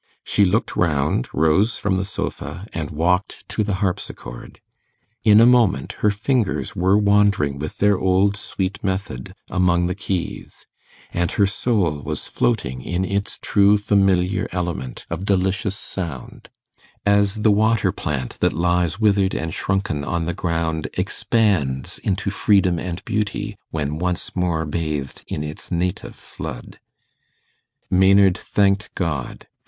She looked round, rose from the sofa, and walked to the harpsichord. In a moment her fingers were wandering with their old sweet method among the keys, and her soul was floating in its true familiar element of delicious sound, as the water plant that lies withered and shrunken on the ground expands into freedom and beauty when once more bathed in its native flood. Maynard thanked God.